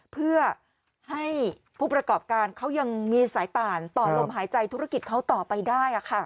เพื่อให้ผู้ประกอบการเขายังมีสายป่านต่อลมหายใจธุรกิจเขาต่อไปได้